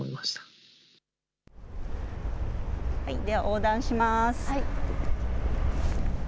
では横断します。